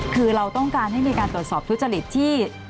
คือเราต้องการให้มีการตรวจสอบทุจริตที่